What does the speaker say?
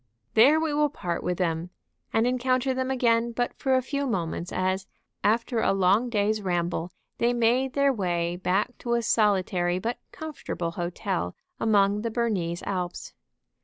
There we will part with them, and encounter them again but for a few moments as, after a long day's ramble, they made their way back to a solitary but comfortable hotel among the Bernese Alps.